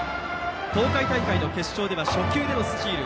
東海大会の決勝では初球でのスチール。